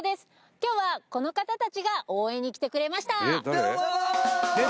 今日はこの方たちが応援に来てくれましたどうも！